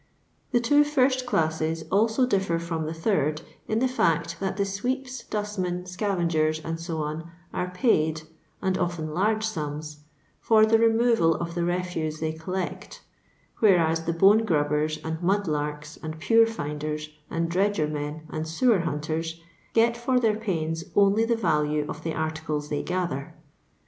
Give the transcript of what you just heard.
The two fint classes also dififer firam the third Sn the fact that the sweeps, dustmen, scavengers, &c, are pnid (and often large sums) for the re moval of the refuse they collect; whereas the bone grubbers, and mud larks, and pure finders, and dredgermen, and sewer hunters, get for their pains only the value of the articles they gather.